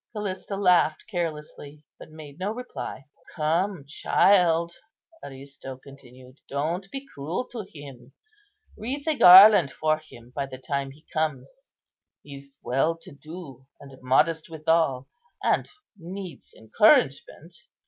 Callista laughed carelessly, but made no reply. "Come, child," Aristo continued, "don't be cruel to him. Wreath a garland for him by the time he comes. He's well to do, and modest withal, and needs encouragement."